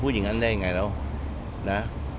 พูดอย่างงั้นได้ยังไงหรอนะ